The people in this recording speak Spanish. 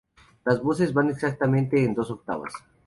Las voces van exactamente en dos octavas.